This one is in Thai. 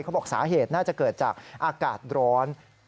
เขาบอกสาเหตุน่าจะเกิดจากอากาศร้อน